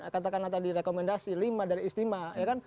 katakanlah tadi rekomendasi lima dari istimah